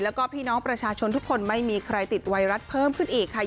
แล้วก็พี่น้องประชาชนทุกคนไม่มีใครติดไวรัสเพิ่มขึ้นอีกค่ะ